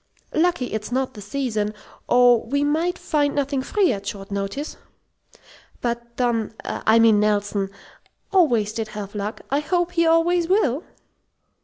Lucky it's not the season, or we might find nothing free at short notice. But Don I mean Nelson always did have luck. I hope he always will!"